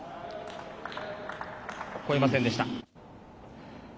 越えませんでした。